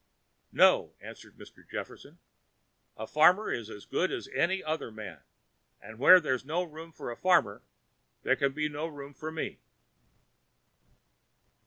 "No," answered Mr. Jefferson. "A farmer is as good as any other man; and where there's no room for a farmer, there can be no room for me."